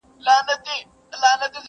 ما او ازل دواړو اورېدل چي توپان څه ویل!.